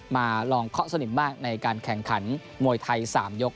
มาลองเคาะสนิมบ้างในการแข่งขันมวยไทย๓ยก